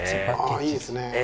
ああいいですね。